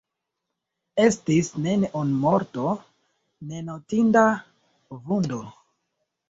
Estis neniu morto, ne notinda vundo.